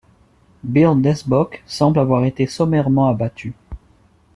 Birl Desbok semble avoir été sommairement abattu.